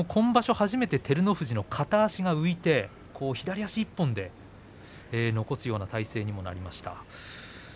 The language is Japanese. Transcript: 初めて照ノ富士の片足が浮いて左足一本で残すような体勢になりました。